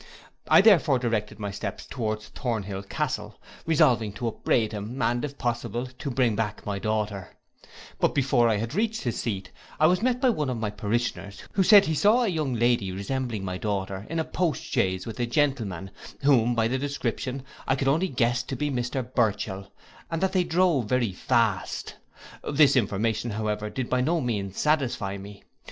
I therefore directed my steps towards Thornhill castle, resolving to upbraid him, and, if possible, to bring back my daughter: but before I had reached his seat, I was met by one of my parishioners, who said he saw a young lady resembling my daughter in a post chaise with a gentleman, whom, by the description, I could only guess to be Mr Burchell, and that they drove very fast. This information, however, did by no means satisfy me.